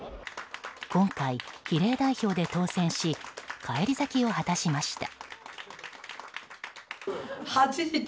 今回、比例代表で当選し返り咲きを果たしました。